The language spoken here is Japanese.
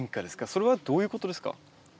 それはどういうことですか？